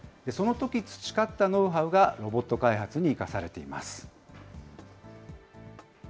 そのとき培ったノウハウが、ロボット開発に生かされています。